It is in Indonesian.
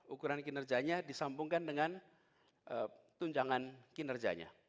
ukuran kinerjanya disambungkan dengan tunjangan kinerjanya